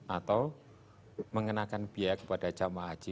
atau mengenakan biaya kepada jamaah haji